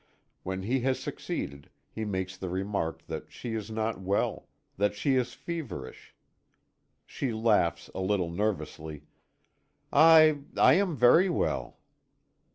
When he has succeeded, he makes the remark that she is not well that she is feverish. She laughs a little nervously: "I I am very well."